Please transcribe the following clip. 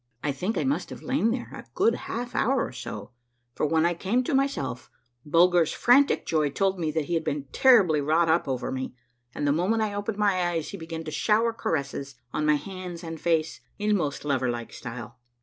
I think I must have lain there a good half hour or so ; for when I came to myself Bulger's frantic joy told me that he had been terribly wrought up over me, and the moment I opened my eyes he began to shower caresses on my hands and face in most lover like style.